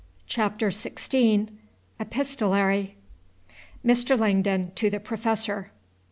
CHAPTER XVI. EPISTOLARY. Mr. Langdon to the Professor.